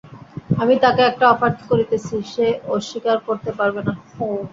আমি তাকে একটা অফার করতেছি, সে অস্বীকার করতে পারবে না।